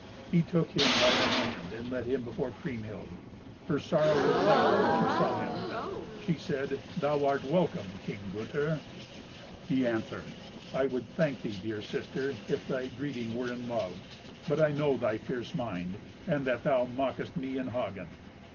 He took him by the hand, and let him before Kriemhild. Her sorrow was lighter when she saw him. She said, "Thou art welcome, King Gunther." He answered, "I would thank thee, dear sister, if thy greeting were in love. But I know thy fierce mind, and that thou mockest me and Hagen."